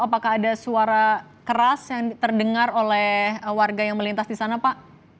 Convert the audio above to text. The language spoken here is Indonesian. apakah ada suara keras yang terdengar oleh warga yang melintas di sana pak